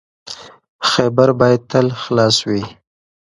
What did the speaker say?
خیبر باید تل خلاص وي.